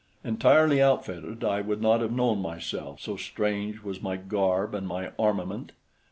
Entirely outfitted I would not have known myself, so strange was my garb and my armament.